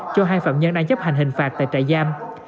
cho hai phạm nhân đang chấp hành hình phạt tại trại giam